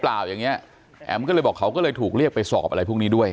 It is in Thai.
ไม่มีไม่มีไม่มีไม่มีไม่มีไม่มีไม่มี